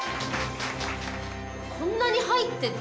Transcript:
こんなに入ってて？